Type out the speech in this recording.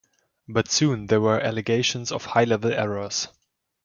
But soon there were allegations of high-level errors.